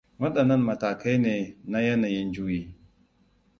Waɗannan matakai ne na yanayin juyi.